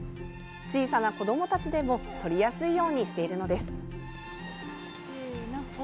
小さな子どもたちでもとりやすいようにしているのです。